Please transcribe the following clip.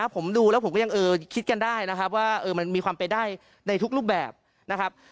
ผมดูแล้วผมก็ยังอย่างคิดกันได้ว่ามีความไปได้ในทุกรูปแบบนะครับ